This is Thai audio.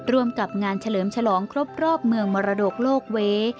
ร่วมกับงานเฉลิมฉลองครบรอบเมืองมรดกโลกเวย์